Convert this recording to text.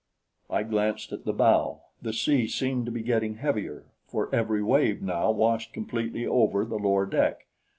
I glanced at the bow. The sea seemed to be getting heavier, for every wave now washed completely over the lower deck.